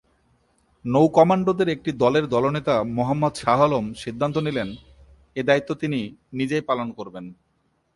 নৌ-কমান্ডোদের একটি দলের দলনেতা মোহাম্মদ শাহ আলম সিদ্ধান্ত নিলেন, এ দায়িত্ব তিনি নিজেই পালন করবেন।